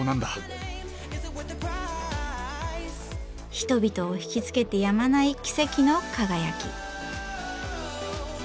人々を惹きつけてやまない奇跡の輝き。